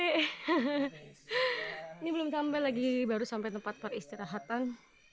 ini belum tambah lagi baru sampai tempat peristirahatan